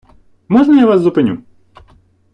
можна я вас зупиню?